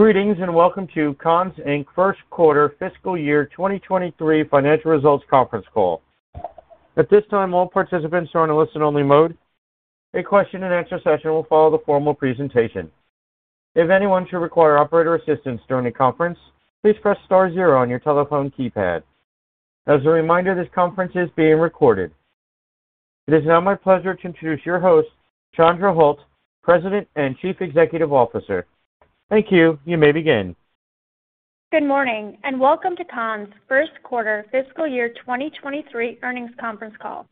Greetings, and welcome to Conn's, Inc. First Quarter Fiscal Year 2023 Financial Results Conference Call. At this time, all participants are in a listen-only mode. A question and answer session will follow the formal presentation. If anyone should require operator assistance during the conference, please press star zero on your telephone keypad. As a reminder, this conference is being recorded. It is now my pleasure to introduce your host, Chandra Holt, President and Chief Executive Officer. Thank you. You may begin. Good morning, and welcome to Conn's First Quarter Fiscal Year 2023 Earnings Conference Call.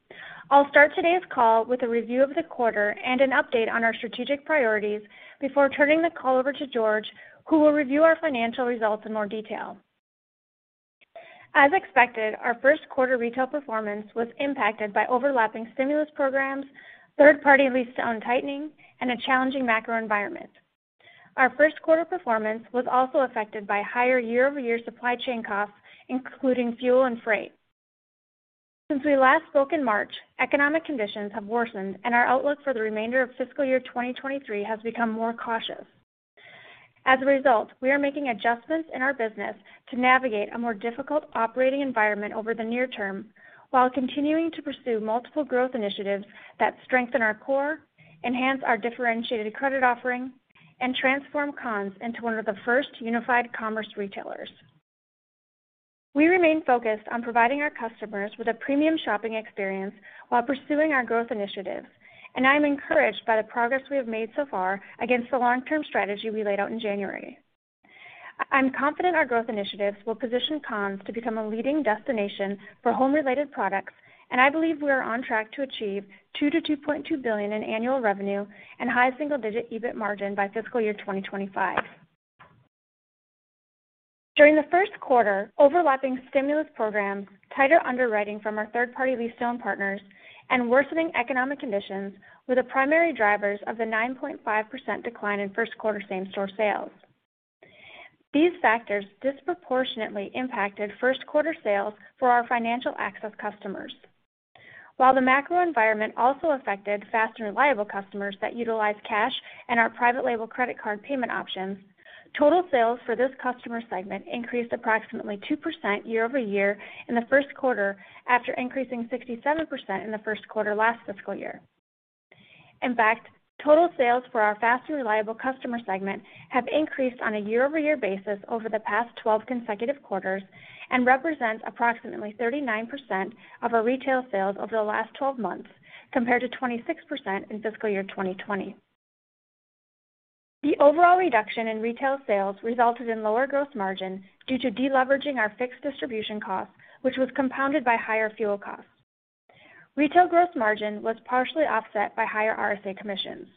I'll start today's call with a review of the quarter and an update on our strategic priorities before turning the call over to George, who will review our financial results in more detail. As expected, our first quarter retail performance was impacted by overlapping stimulus programs, third-party lease-to-own tightening, and a challenging macro environment. Our first quarter performance was also affected by higher year-over-year supply chain costs, including fuel and freight. Since we last spoke in March, economic conditions have worsened, and our outlook for the remainder of fiscal year 2023 has become more cautious. As a result, we are making adjustments in our business to navigate a more difficult operating environment over the near term while continuing to pursue multiple growth initiatives that strengthen our core, enhance our differentiated credit offering, and transform Conn's into one of the first unified commerce retailers. We remain focused on providing our customers with a premium shopping experience while pursuing our growth initiatives, and I'm encouraged by the progress we have made so far against the long-term strategy we laid out in January. I'm confident our growth initiatives will position Conn's to become a leading destination for home-related products, and I believe we are on track to achieve $2 billion-$2.2 billion in annual revenue and high single-digit EBIT margin by fiscal year 2025. During the first quarter, overlapping stimulus programs, tighter underwriting from our third-party lease-to-own partners, and worsening economic conditions were the primary drivers of the 9.5% decline in first-quarter same-store sales. These factors disproportionately impacted first-quarter sales for our financial access customers. While the macro environment also affected fast and reliable customers that utilize cash and our private label credit card payment options, total sales for this customer segment increased approximately 2% year-over-year in the first quarter after increasing 67% in the first quarter last fiscal year. In fact, total sales for our fast and reliable customer segment have increased on a year-over-year basis over the past 12 consecutive quarters and represent approximately 39% of our retail sales over the last 12 months, compared to 26% in fiscal year 2020. The overall reduction in retail sales resulted in lower gross margin due to deleveraging our fixed distribution costs, which was compounded by higher fuel costs. Retail gross margin was partially offset by higher RSA commissions.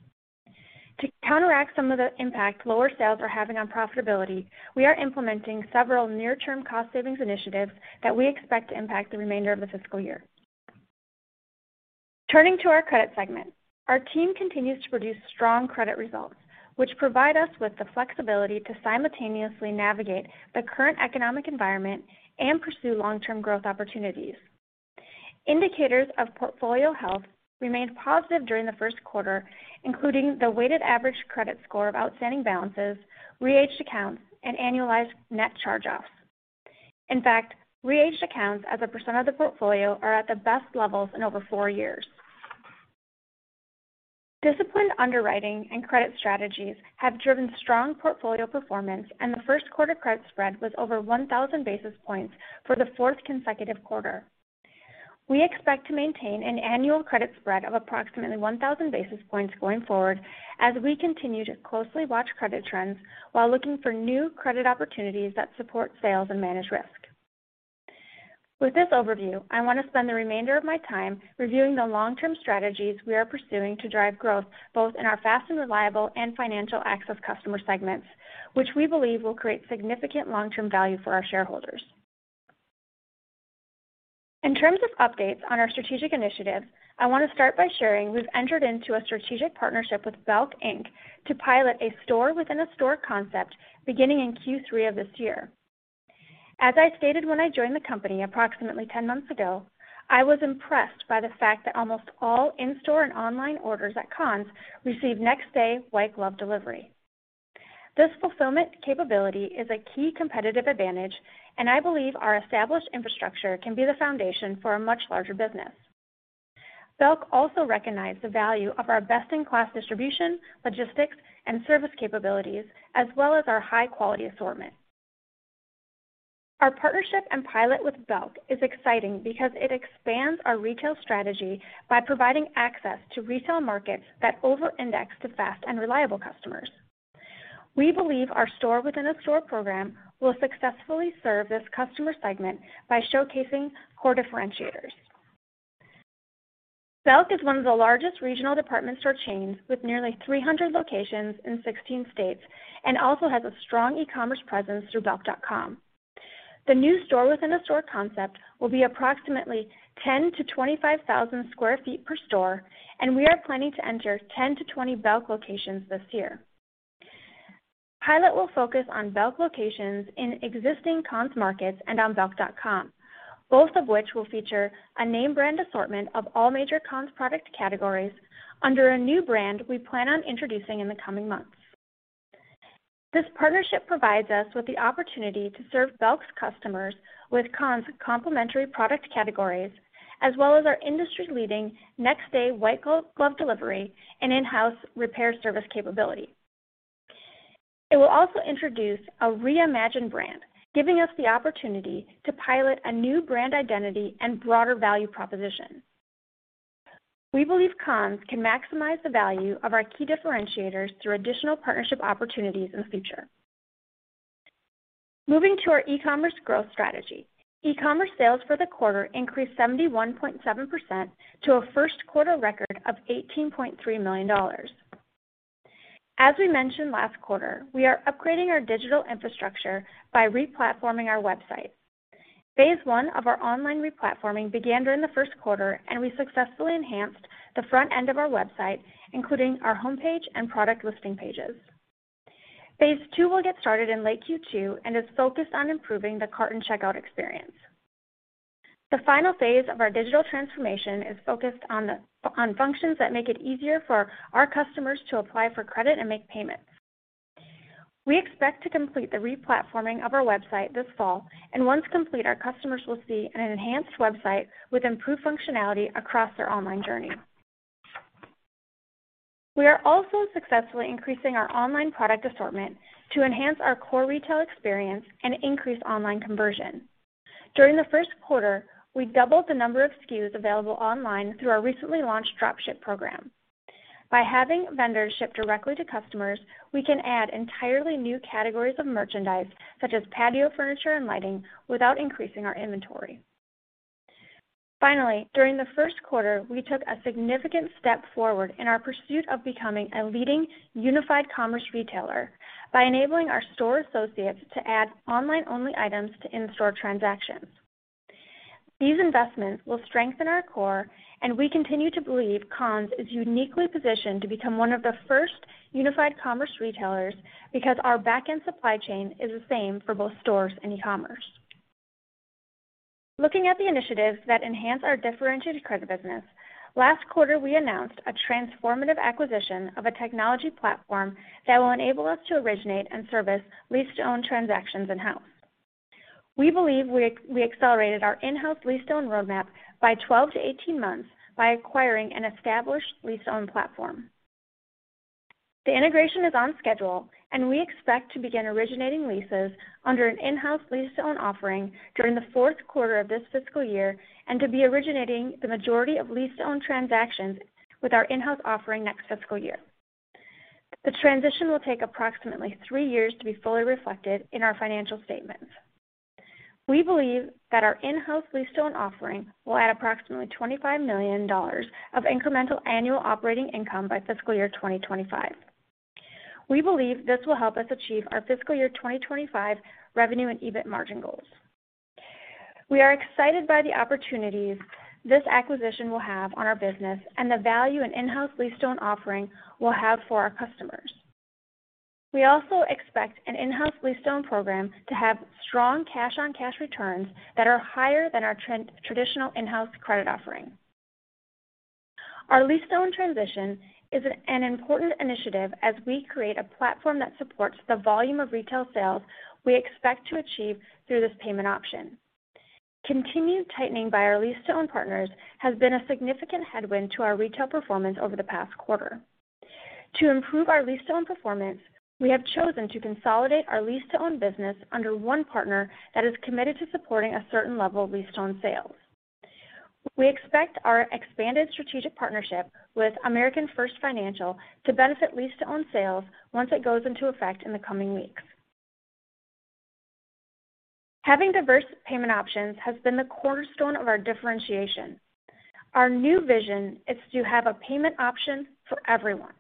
To counteract some of the impact lower sales are having on profitability, we are implementing several near-term cost savings initiatives that we expect to impact the remainder of the fiscal year. Turning to our credit segment. Our team continues to produce strong credit results, which provide us with the flexibility to simultaneously navigate the current economic environment and pursue long-term growth opportunities. Indicators of portfolio health remained positive during the first quarter, including the weighted average credit score of outstanding balances, re-aged accounts, and annualized net charge-offs. In fact, re-aged accounts as a percent of the portfolio are at the best levels in over four years. Disciplined underwriting and credit strategies have driven strong portfolio performance, and the first quarter credit spread was over 1,000 basis points for the fourth consecutive quarter. We expect to maintain an annual credit spread of approximately 1,000 basis points going forward as we continue to closely watch credit trends while looking for new credit opportunities that support sales and manage risk. With this overview, I want to spend the remainder of my time reviewing the long-term strategies we are pursuing to drive growth both in our fast and reliable and financial access customer segments, which we believe will create significant long-term value for our shareholders. In terms of updates on our strategic initiatives, I want to start by sharing we've entered into a strategic partnership with Belk, Inc. to pilot a store within a store concept beginning in Q3 of this year. As I stated when I joined the company approximately 10 months ago, I was impressed by the fact that almost all in-store and online orders at Conn's receive next-day white-glove delivery. This fulfillment capability is a key competitive advantage, and I believe our established infrastructure can be the foundation for a much larger business. Belk also recognized the value of our best-in-class distribution, logistics, and service capabilities, as well as our high-quality assortment. Our partnership and pilot with Belk is exciting because it expands our retail strategy by providing access to retail markets that over-index to fast and reliable customers. We believe our store within a store program will successfully serve this customer segment by showcasing core differentiators. Belk is one of the largest regional department store chains with nearly 300 locations in 16 states and also has a strong e-commerce presence through belk.com. The new store within a store concept will be approximately 10,000-25,000 sq ft per store, and we are planning to enter 10-20 Belk locations this year. Pilot will focus on Belk locations in existing Conn's markets and on belk.com. Both of which will feature a name brand assortment of all major Conn's product categories under a new brand we plan on introducing in the coming months. This partnership provides us with the opportunity to serve Belk's customers with Conn's complementary product categories, as well as our industry-leading next-day white glove delivery and in-house repair service capability. It will also introduce a reimagined brand, giving us the opportunity to pilot a new brand identity and broader value proposition. We believe Conn's can maximize the value of our key differentiators through additional partnership opportunities in the future. Moving to our e-commerce growth strategy. e-commerce sales for the quarter increased 71.7% to a first quarter record of $18.3 million. As we mentioned last quarter, we are upgrading our digital infrastructure by replatforming our website. phase I of our online replatforming began during the first quarter, and we successfully enhanced the front end of our website, including our homepage and product listing pages. Phase II will get started in late Q2 and is focused on improving the cart and checkout experience. The final phase of our digital transformation is focused on functions that make it easier for our customers to apply for credit and make payments. We expect to complete the replatforming of our website this fall, and once complete, our customers will see an enhanced website with improved functionality across their online journey. We are also successfully increasing our online product assortment to enhance our core retail experience and increase online conversion. During the first quarter, we doubled the number of SKUs available online through our recently launched drop ship program. By having vendors ship directly to customers, we can add entirely new categories of merchandise, such as patio furniture and lighting, without increasing our inventory. Finally, during the first quarter, we took a significant step forward in our pursuit of becoming a leading unified commerce retailer by enabling our store associates to add online-only items to in-store transactions. These investments will strengthen our core, and we continue to believe Conn's is uniquely positioned to become one of the first unified commerce retailers because our back-end supply chain is the same for both stores and e-commerce. Looking at the initiatives that enhance our differentiated credit business, last quarter we announced a transformative acquisition of a technology platform that will enable us to originate and service lease-to-own transactions in-house. We believe we accelerated our in-house lease-to-own roadmap by 12-18 months by acquiring an established lease-to-own platform. The integration is on schedule, and we expect to begin originating leases under an in-house lease-to-own offering during the fourth quarter of this fiscal year and to be originating the majority of lease-to-own transactions with our in-house offering next fiscal year. The transition will take approximately three years to be fully reflected in our financial statements. We believe that our in-house lease-to-own offering will add approximately $25 million of incremental annual operating income by fiscal year 2025. We believe this will help us achieve our fiscal year 2025 revenue and EBIT margin goals. We are excited by the opportunities this acquisition will have on our business and the value an in-house lease-to-own offering will have for our customers. We also expect an in-house lease-to-own program to have strong cash-on-cash returns that are higher than our traditional in-house credit offering. Our lease-to-own transition is an important initiative as we create a platform that supports the volume of retail sales we expect to achieve through this payment option. Continued tightening by our lease-to-own partners has been a significant headwind to our retail performance over the past quarter. To improve our lease-to-own performance, we have chosen to consolidate our lease-to-own business under one partner that is committed to supporting a certain level of lease-to-own sales. We expect our expanded strategic partnership with American First Finance to benefit lease-to-own sales once it goes into effect in the coming weeks. Having diverse payment options has been the cornerstone of our differentiation. Our new vision is to have a payment option for everyone.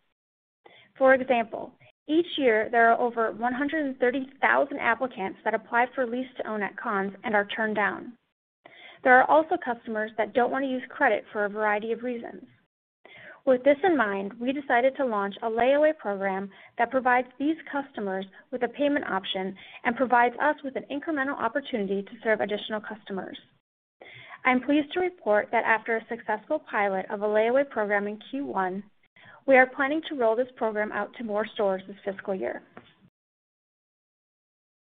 For example, each year there are over 130,000 applicants that apply for lease-to-own at Conn's and are turned down. There are also customers that don't want to use credit for a variety of reasons. With this in mind, we decided to launch a layaway program that provides these customers with a payment option and provides us with an incremental opportunity to serve additional customers. I'm pleased to report that after a successful pilot of a layaway program in Q1, we are planning to roll this program out to more stores this fiscal year.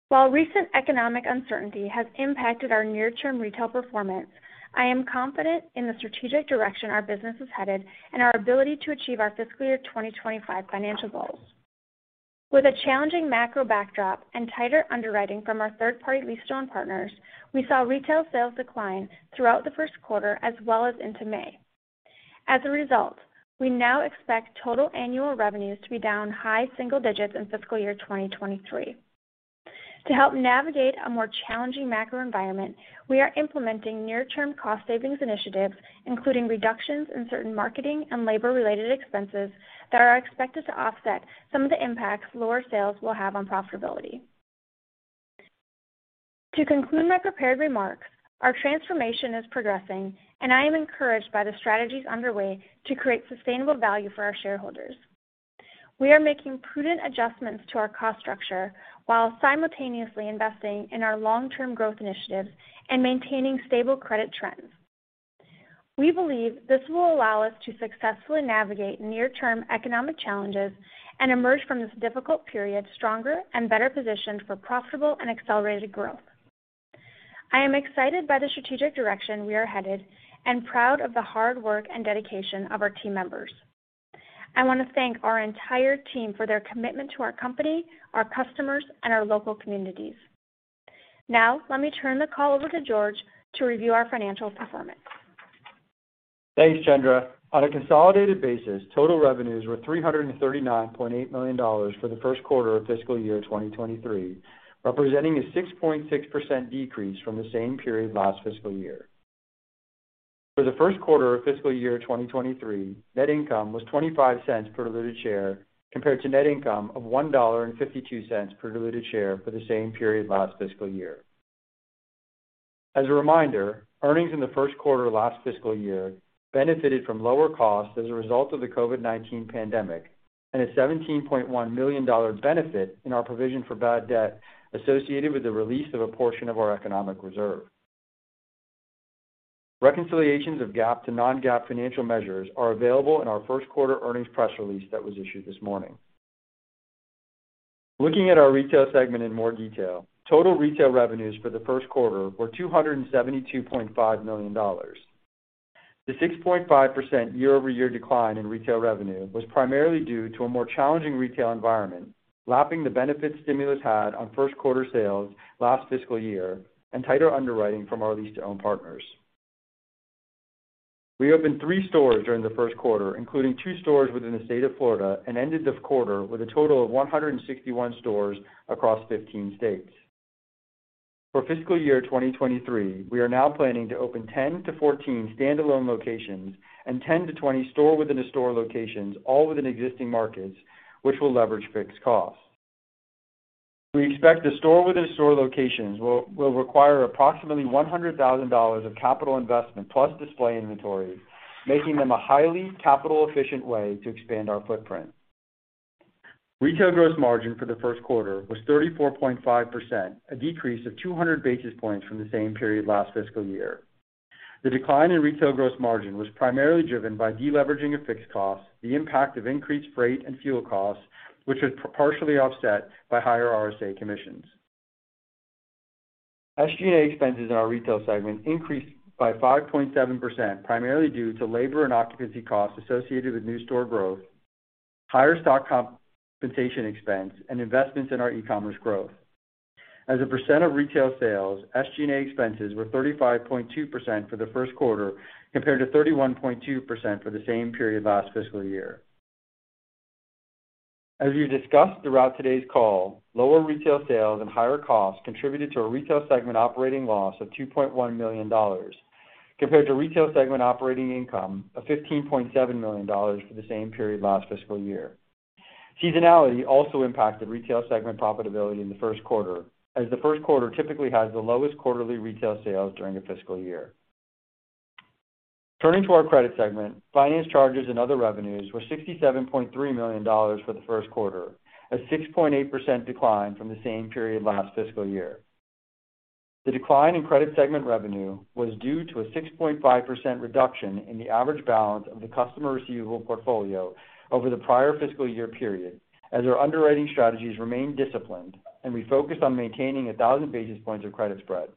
While recent economic uncertainty has impacted our near-term retail performance, I am confident in the strategic direction our business is headed and our ability to achieve our fiscal year 2025 financial goals. With a challenging macro backdrop and tighter underwriting from our third-party lease-to-own partners, we saw retail sales decline throughout the first quarter as well as into May. As a result, we now expect total annual revenues to be down high single digits in fiscal year 2023. To help navigate a more challenging macro environment, we are implementing near-term cost savings initiatives, including reductions in certain marketing and labor-related expenses that are expected to offset some of the impacts lower sales will have on profitability. To conclude my prepared remarks, our transformation is progressing and I am encouraged by the strategies underway to create sustainable value for our shareholders. We are making prudent adjustments to our cost structure while simultaneously investing in our long-term growth initiatives and maintaining stable credit trends. We believe this will allow us to successfully navigate near-term economic challenges and emerge from this difficult period stronger and better positioned for profitable and accelerated growth. I am excited by the strategic direction we are headed and proud of the hard work and dedication of our team members. I want to thank our entire team for their commitment to our company, our customers, and our local communities. Now, let me turn the call over to George to review our financial performance. Thanks, Chandra. On a consolidated basis, total revenues were $339.8 million for the first quarter of fiscal year 2023, representing a 6.6% decrease from the same period last fiscal year. For the first quarter of fiscal year 2023, net income was $0.25 per diluted share, compared to net income of $1.52 per diluted share for the same period last fiscal year. As a reminder, earnings in the first quarter last fiscal year benefited from lower costs as a result of the COVID-19 pandemic and a $17.1 million benefit in our provision for bad debts associated with the release of a portion of our economic reserve. Reconciliations of GAAP to non-GAAP financial measures are available in our first quarter earnings press release that was issued this morning. Looking at our retail segment in more detail. Total retail revenues for the first quarter were $272.5 million. The 6.5% year-over-year decline in retail revenue was primarily due to a more challenging retail environment, lapping the benefit stimulus had on first quarter sales last fiscal year and tighter underwriting from our lease-to-own partners. We opened three stores during the first quarter, including two stores within the state of Florida, and ended the quarter with a total of 161 stores across 15 states. For fiscal year 2023, we are now planning to open 10-14 standalone locations and 10-20 store-within-a-store locations, all within existing markets, which will leverage fixed costs. We expect the store-within-a-store locations will require approximately $100,000 of capital investment plus display inventory, making them a highly capital-efficient way to expand our footprint. Retail gross margin for the first quarter was 34.5%, a decrease of 200 basis points from the same period last fiscal year. The decline in retail gross margin was primarily driven by deleveraging of fixed costs, the impact of increased freight and fuel costs, which was partially offset by higher RSA commissions. SG&A expenses in our retail segment increased by 5.7%, primarily due to labor and occupancy costs associated with new store growth, higher stock compensation expense, and investments in our e-commerce growth. As a percent of retail sales, SG&A expenses were 35.2% for the first quarter, compared to 31.2% for the same period last fiscal year. As we discussed throughout today's call, lower retail sales and higher costs contributed to a retail segment operating loss of $2.1 million, compared to retail segment operating income of $15.7 million for the same period last fiscal year. Seasonality also impacted retail segment profitability in the first quarter, as the first quarter typically has the lowest quarterly retail sales during a fiscal year. Turning to our credit segment. Finance charges and other revenues were $67.3 million for the first quarter, a 6.8% decline from the same period last fiscal year. The decline in credit segment revenue was due to a 6.5% reduction in the average balance of the customer receivable portfolio over the prior fiscal year period, as our underwriting strategies remained disciplined and we focused on maintaining 1,000 basis points of credit spread.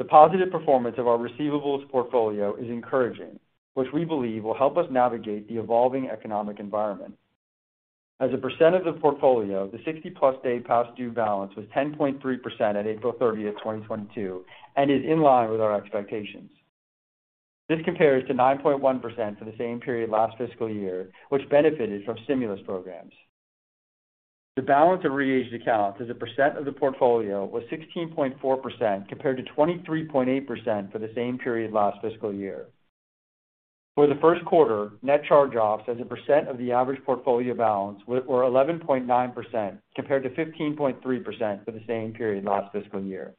The positive performance of our receivables portfolio is encouraging, which we believe will help us navigate the evolving economic environment. As a percent of the portfolio, the 60+ day past due balance was 10.3% at April 30th, 2022, and is in line with our expectations. This compares to 9.1% for the same period last fiscal year, which benefited from stimulus programs. The balance of re-aged accounts as a percent of the portfolio was 16.4%, compared to 23.8% for the same period last fiscal year. For the first quarter, net charge-offs as a percent of the average portfolio balance were 11.9%, compared to 15.3% for the same period last fiscal year.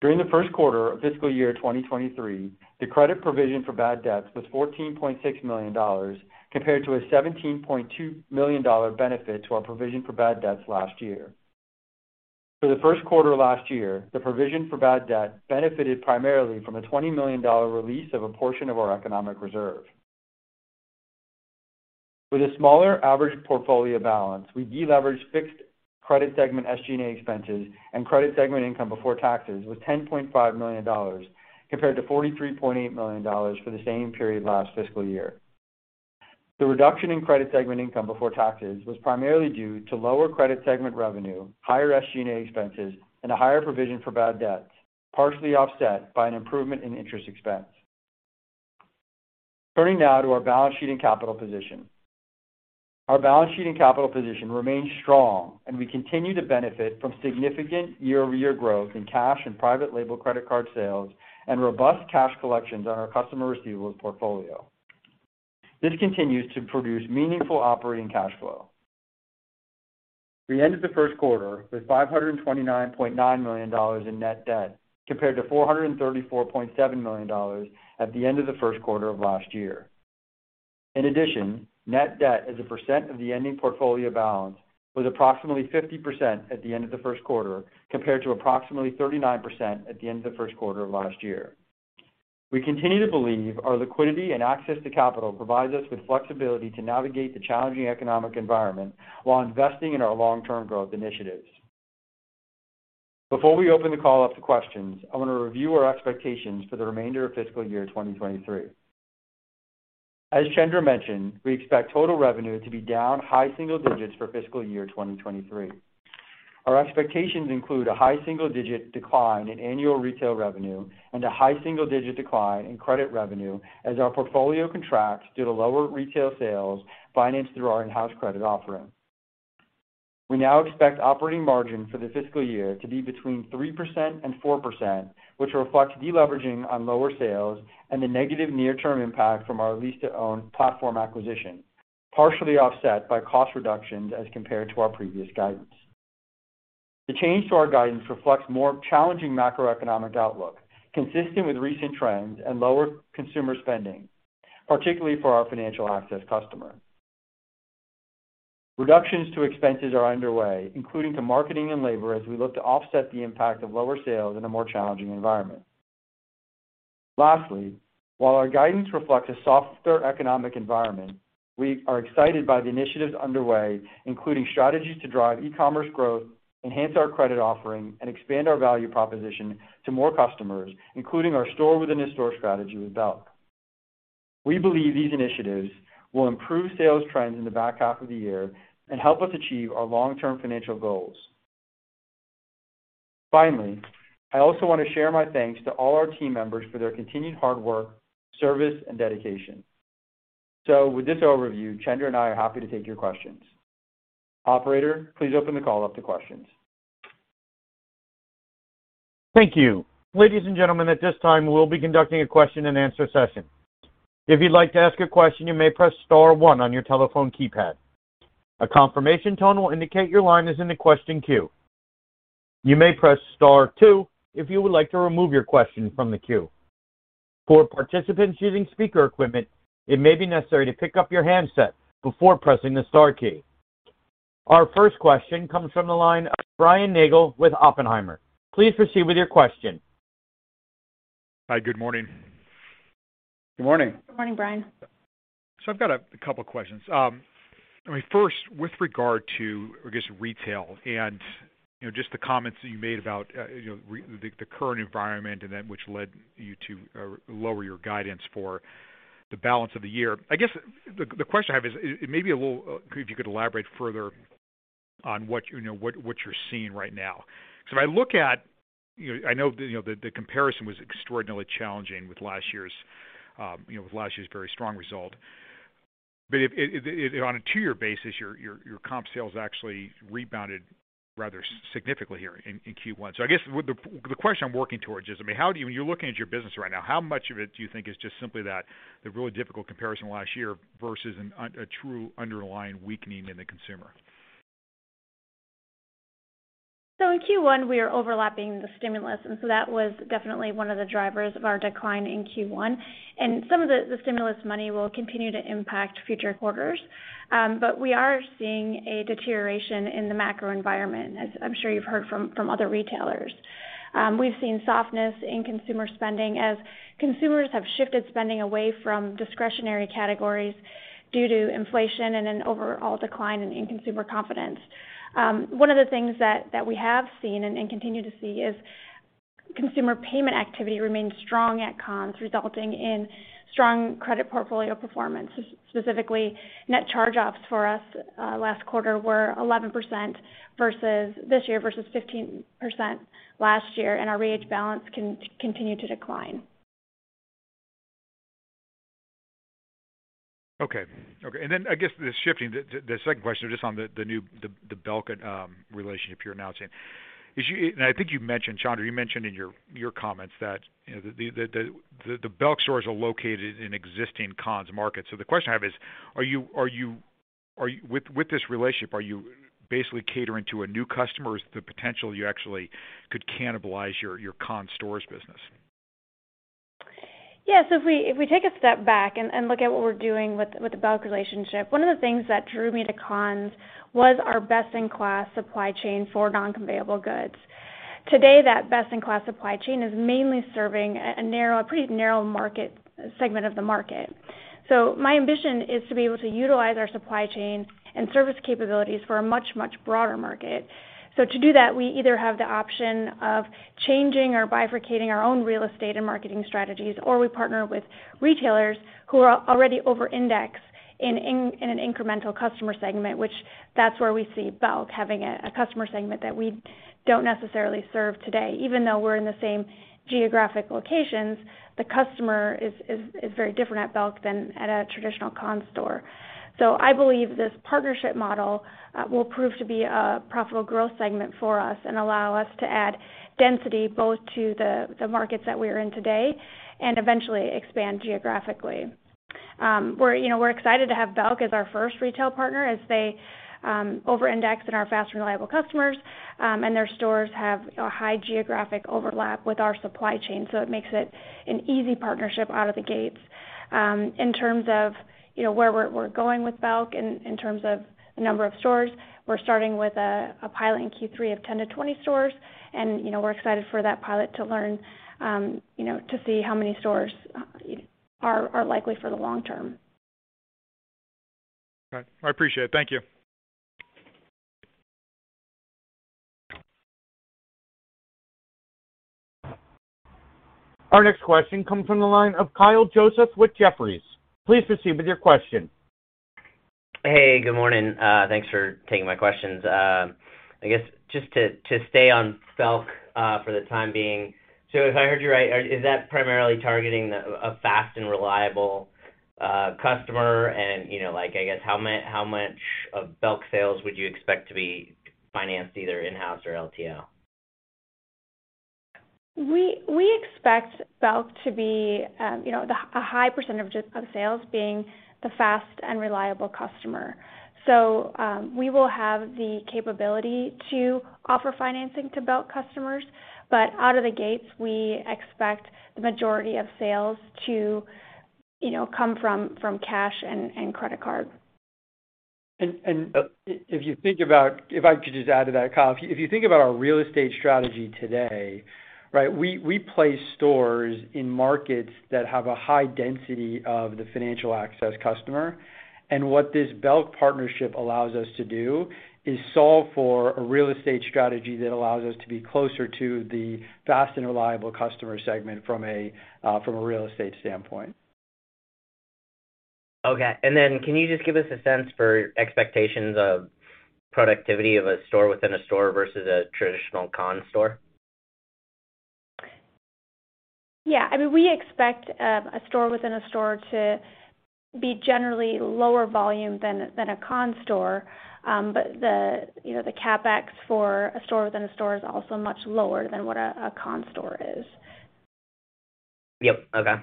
During the first quarter of fiscal year 2023, the credit provision for bad debts was $14.6 million, compared to a $17.2 million benefit to our provision for bad debts last year. For the first quarter last year, the provision for bad debts benefited primarily from a $20 million release of a portion of our economic reserve. With a smaller average portfolio balance, we deleveraged fixed credit segment SG&A expenses and credit segment income before taxes was $10.5 million, compared to $43.8 million for the same period last fiscal year. The reduction in credit segment income before taxes was primarily due to lower credit segment revenue, higher SG&A expenses, and a higher provision for bad debts, partially offset by an improvement in interest expense. Turning now to our balance sheet and capital position. Our balance sheet and capital position remains strong, and we continue to benefit from significant year-over-year growth in cash and private label credit card sales and robust cash collections on our customer receivable portfolio. This continues to produce meaningful operating cash flow. We ended the first quarter with $529.9 million in net debt compared to $434.7 million at the end of the first quarter of last year. In addition, net debt as a percent of the ending portfolio balance was approximately 50% at the end of the first quarter, compared to approximately 39% at the end of the first quarter of last year. We continue to believe our liquidity and access to capital provides us with flexibility to navigate the challenging economic environment while investing in our long-term growth initiatives. Before we open the call up to questions, I want to review our expectations for the remainder of fiscal year 2023. As Chandra mentioned, we expect total revenue to be down high single digits for fiscal year 2023. Our expectations include a high single-digit decline in annual retail revenue and a high single-digit decline in credit revenue as our portfolio contracts due to lower retail sales financed through our in-house credit offering. We now expect operating margin for the fiscal year to be between 3% and 4%, which reflects deleveraging on lower sales and the negative near-term impact from our lease-to-own platform acquisition, partially offset by cost reductions as compared to our previous guidance. The change to our guidance reflects more challenging macroeconomic outlook, consistent with recent trends and lower consumer spending, particularly for our financial access customers. Reductions to expenses are underway, including to marketing and labor as we look to offset the impact of lower sales in a more challenging environment. Lastly, while our guidance reflects a softer economic environment, we are excited by the initiatives underway, including strategies to drive e-commerce growth, enhance our credit offering, and expand our value proposition to more customers, including our store-within-a-store strategy with Belk. We believe these initiatives will improve sales trends in the back half of the year and help us achieve our long-term financial goals. Finally, I also want to share my thanks to all our team members for their continued hard work, service, and dedication. With this overview, Chandra and I are happy to take your questions. Operator, please open the call up to questions. Thank you. Ladies and gentlemen, at this time, we'll be conducting a question-and-answer session. If you'd like to ask a question, you may press star one on your telephone keypad. A confirmation tone will indicate your line is in the question queue. You may press star two if you would like to remove your question from the queue. For participants using speaker equipment, it may be necessary to pick up your handset before pressing the star key. Our first question comes from the line of Brian Nagel with Oppenheimer. Please proceed with your question. Hi. Good morning. Good morning. Good morning, Brian. I've got a couple of questions. I mean, first, with regard to, I guess, retail and, you know, just the comments that you made about the current environment and then which led you to lower your guidance for the balance of the year. I guess the question I have is, it may be a little if you could elaborate further on what, you know, what you're seeing right now. If I look at, you know, I know, you know, the comparison was extraordinarily challenging with last year's very strong result. If on a two-year basis, your comp sales actually rebounded rather significantly here in Q1. I guess what the question I'm working towards is, I mean, how do you. When you're looking at your business right now, how much of it do you think is just simply that the really difficult comparison last year versus a true underlying weakening in the consumer? In Q1, we are overlapping the stimulus, and that was definitely one of the drivers of our decline in Q1. Some of the stimulus money will continue to impact future quarters. We are seeing a deterioration in the macro environment, as I'm sure you've heard from other retailers. We've seen softness in consumer spending as consumers have shifted spending away from discretionary categories due to inflation and an overall decline in consumer confidence. One of the things that we have seen and continue to see is consumer payment activity remains strong at Conn's, resulting in strong credit portfolio performance. Specifically, net charge-offs for us last quarter were 11% this year versus 15% last year, and our re-aged balance continue to decline. Okay. I guess the second question just on the new Belk relationship you're announcing. Is you I think you mentioned, Chandra, you mentioned in your comments that, you know, the Belk stores are located in existing Conn's markets. The question I have is, with this relationship, are you basically catering to a new customer or is the potential you actually could cannibalize your Conn's stores business? Yeah. If we take a step back and look at what we're doing with the Belk relationship, one of the things that drew me to Conn's was our best-in-class supply chain for non-conveyable goods. Today, that best-in-class supply chain is mainly serving a pretty narrow market segment of the market. My ambition is to be able to utilize our supply chain and service capabilities for a much broader market. To do that, we either have the option of changing or bifurcating our own real estate and marketing strategies, or we partner with retailers who are already over-indexed in an incremental customer segment, which is where we see Belk having a customer segment that we don't necessarily serve today. Even though we're in the same geographic locations, the customer is very different at Belk than at a traditional Conn's store. I believe this partnership model will prove to be a profitable growth segment for us and allow us to add density both to the markets that we're in today and eventually expand geographically. We're, you know, we're excited to have Belk as our first retail partner as they over-index in our fast and reliable customers and their stores have a high geographic overlap with our supply chain, so it makes it an easy partnership out of the gates. In terms of, you know, where we're going with Belk in terms of the number of stores, we're starting with a pilot in Q3 of 10-20 stores. You know, we're excited for that pilot to learn, you know, to see how many stores are likely for the long term. All right. I appreciate it. Thank you. Our next question comes from the line of Kyle Joseph with Jefferies. Please proceed with your question. Hey, good morning. Thanks for taking my questions. I guess just to stay on Belk for the time being. If I heard you right, is that primarily targeting a fast and reliable customer and, you know, like, I guess, how much of Belk sales would you expect to be financed either in-house or LTO? We expect Belk to be a high percentage of sales being the fast and reliable customer. We will have the capability to offer financing to Belk customers. Out of the gates, we expect the majority of sales to come from cash and credit card. If I could just add to that, Kyle. If you think about our real estate strategy today, right, we place stores in markets that have a high density of the financial access customer. What this Belk partnership allows us to do is solve for a real estate strategy that allows us to be closer to the fast and reliable customer segment from a real estate standpoint. Okay. Can you just give us a sense for expectations of productivity of a store within a store versus a traditional Conn's store? Yeah. I mean, we expect a store within a store to be generally lower volume than a Conn's store. You know, the CapEx for a store within a store is also much lower than what a Conn's store is. Yep. Okay.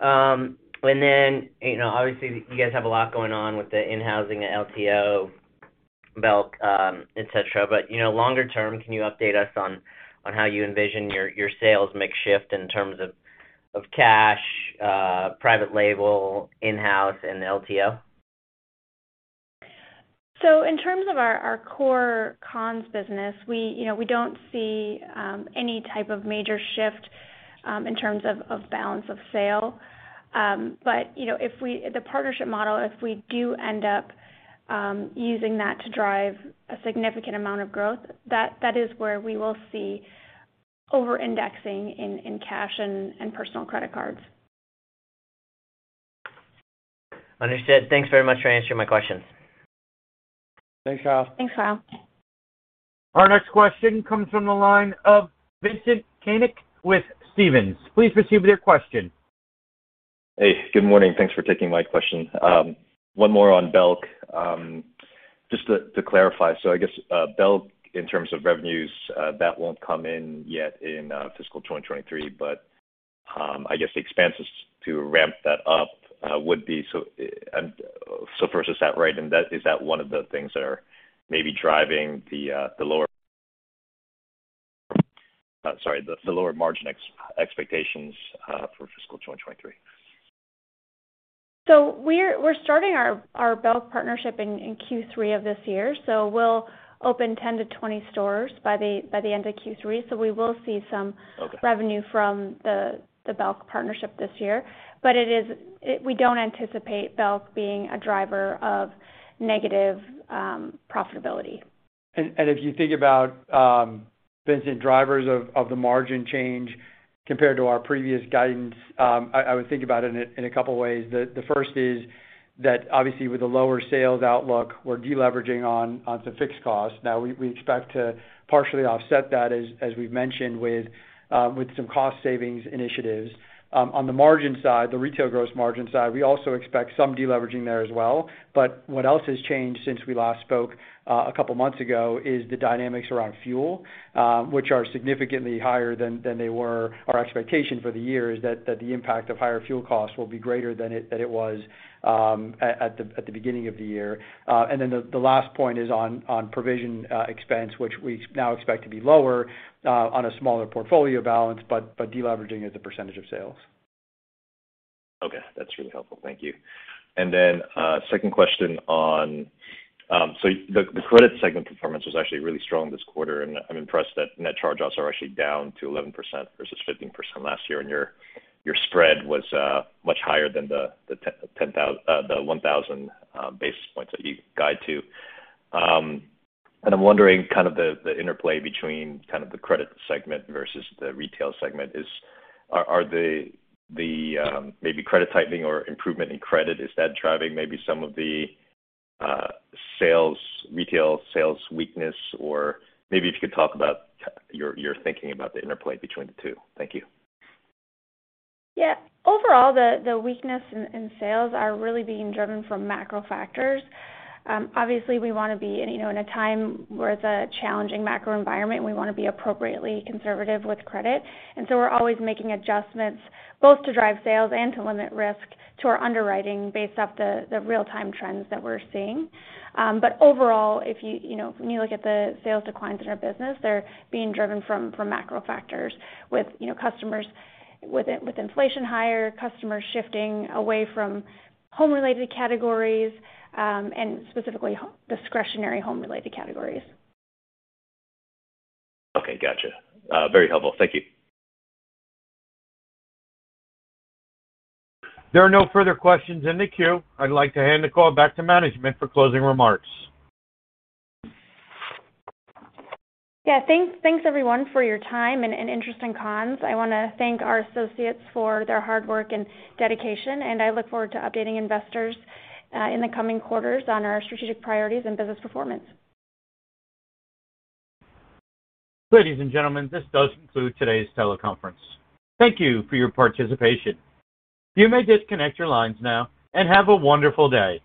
You know, obviously you guys have a lot going on with the in-housing, the LTO, Belk, et cetera. You know, longer term, can you update us on how you envision your sales mix shift in terms of cash, private label, in-house and LTO? In terms of our core Conn's business, you know, we don't see any type of major shift in terms of balance of sale. You know, the partnership model if we do end up using that to drive a significant amount of growth, that is where we will see over-indexing in cash and personal credit cards. Understood. Thanks very much for answering my questions. Thanks, Kyle. Thanks, Kyle. Our next question comes from the line of Vincent Caintic with Stephens. Please proceed with your question. Hey, good morning. Thanks for taking my question. One more on Belk. Just to clarify. I guess Belk, in terms of revenues, that won't come in yet in fiscal 2023. I guess the expenses to ramp that up would be. First, is that right, and is that one of the things that are maybe driving the lower margin expectations for fiscal 2023. We're starting our Belk partnership in Q3 of this year. We'll open 10-20 stores by the end of Q3. We will see some. Okay. Revenue from the Belk partnership this year. It is. We don't anticipate Belk being a driver of negative profitability. If you think about, Vincent, drivers of the margin change compared to our previous guidance, I would think about it in a couple ways. The first is that obviously, with the lower sales outlook, we're deleveraging on some fixed costs. Now, we expect to partially offset that, as we've mentioned, with some cost savings initiatives. On the margin side, the retail gross margin side, we also expect some deleveraging there as well. What else has changed since we last spoke, a couple months ago is the dynamics around fuel, which are significantly higher than they were. Our expectation for the year is that the impact of higher fuel costs will be greater than it was at the beginning of the year. The last point is on provision expense, which we now expect to be lower on a smaller portfolio balance, but deleveraging as a percentage of sales. Okay. That's really helpful. Thank you. Second question on, so the credit segment performance was actually really strong this quarter, and I'm impressed that net charge-offs are actually down to 11% versus 15% last year, and your spread was much higher than the 1,000 basis points that you guide to. I'm wondering kind of the interplay between kind of the credit segment versus the retail segment. Are the maybe credit tightening or improvement in credit driving maybe some of the sales, retail sales weakness? Or maybe if you could talk about your thinking about the interplay between the two. Thank you. Yeah. Overall, the weakness in sales are really being driven from macro factors. Obviously we wanna be you know in a time where it's a challenging macro environment, we wanna be appropriately conservative with credit. We're always making adjustments both to drive sales and to limit risk to our underwriting based off the real-time trends that we're seeing. Overall, if you know when you look at the sales declines in our business, they're being driven from macro factors with you know customers with inflation higher, customers shifting away from home-related categories and specifically discretionary home-related categories. Okay, gotcha. Very helpful. Thank you. There are no further questions in the queue. I'd like to hand the call back to management for closing remarks. Yeah. Thanks, everyone, for your time and interest in Conn's. I wanna thank our associates for their hard work and dedication, and I look forward to updating investors in the coming quarters on our strategic priorities and business performance. Ladies and gentlemen, this does conclude today's teleconference. Thank you for your participation. You may disconnect your lines now, and have a wonderful day.